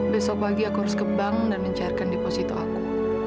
besok pagi aku harus ke bank dan mencairkan deposito aku